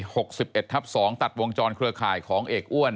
หกสิบเอ็ดทับสองตัดวงจรเครือข่ายของเอกอ้วน